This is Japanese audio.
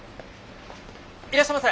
いらっしゃいませ！